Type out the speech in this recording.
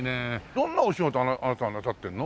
どんなお仕事あなたはなさってるの？